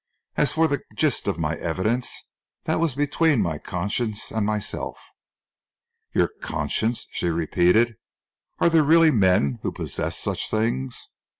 "As for the gist of my evidence, that was between my conscience and myself." "Your conscience?" she repeated. "Are there really men who possess such things?"